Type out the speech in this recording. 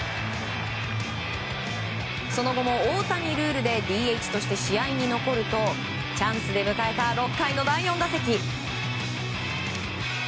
その後も大谷ルールでＤＨとして試合に残るとチャンスで迎えた６回の第４打席。